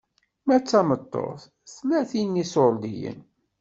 Ma d tameṭṭut, tlatin n iṣurdiyen.